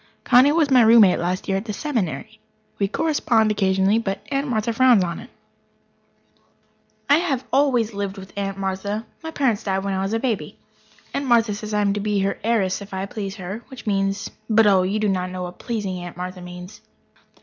Connie was my roommate last year at the Seminary. We correspond occasionally, but Aunt Martha frowns on it. I have always lived with Aunt Martha my parents died when I was a baby. Aunt Martha says I am to be her heiress if I please her which means but, oh, you do not know what "pleasing" Aunt Martha means.